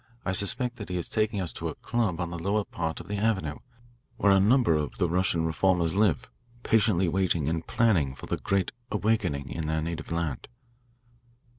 I suspect that he is taking us to a club on the lower part of the avenue, where a number of the Russian reformers live, patiently waiting and planning for the great 'awakening' in their native land."